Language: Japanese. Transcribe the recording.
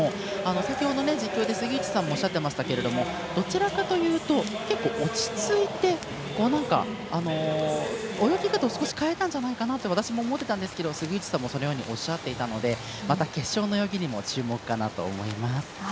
先ほど実況で杉内さんもおっしゃってましたけれどもどちらかというと結構落ち着いて、泳ぎ方を少し変えたんじゃないかなと私も思っていたんですけど杉内さんもそのようにおっしゃっていたのでまた決勝の泳ぎにも注目かなと思います。